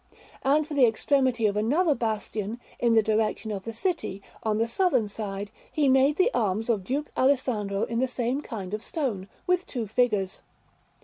And for the extremity of another bastion, in the direction of the city, on the southern side, he made the arms of Duke Alessandro in the same kind of stone, with two figures.